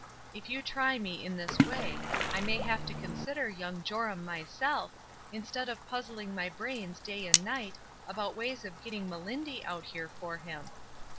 If you try me in this way, I may have to consider young Joram myself, instead of puzzUng my brains day and night about ways of getting Melindy out here for him.